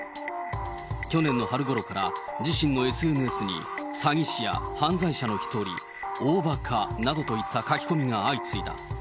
去年の春ごろから、自身のＳＮＳに詐欺師や、犯罪者の一人、大ばかなどといった書き込みが相次いだ。